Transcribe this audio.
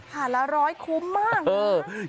ถาดละร้อยคุ้มมากนะ